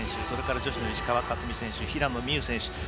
それから、女子の石川佳純選手平野美宇選手